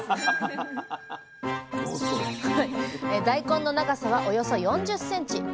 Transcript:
大根の長さはおよそ４０ｃｍ。